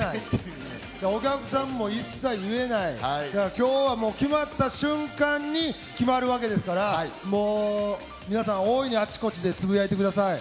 だから今日は決まった瞬間に決まるわけですからもう皆さん大いにあちこちでつぶやいてください。